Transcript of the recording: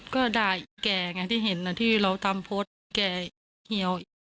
ก็ได้แก่ไงที่เห็นนะที่เราตามโพสต์แก่เหี่ยว